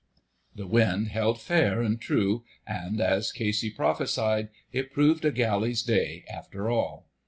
The wind held fair and true, and, as Casey prophesied, it proved a Galley's day after all.